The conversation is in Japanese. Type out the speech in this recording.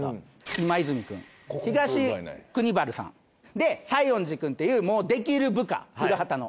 今泉くん東国原さんで西園寺くんっていうできる部下古畑の。